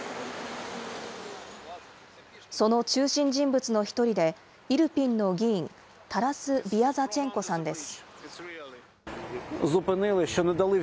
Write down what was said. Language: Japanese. その中心人物の一人で、イルピンの議員、タラス・ビアザチェンコさんです。